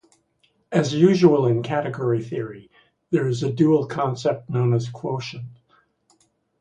As usual in category theory, there is a dual concept, known as quotient.